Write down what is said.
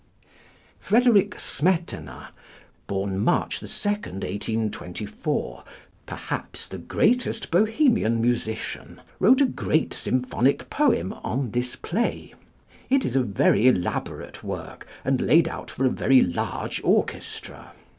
+Frederick Smetana+, born March 2, 1824, perhaps the greatest Bohemian musician, wrote a great symphonic poem on this play. It is a very elaborate work and laid out for a very large orchestra.